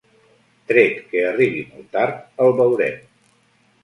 Tret que arribi molt tard, el veurem.